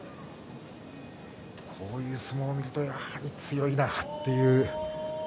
こういう相撲を見るとやはり強いなという。